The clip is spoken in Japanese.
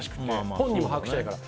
本人も把握してないから。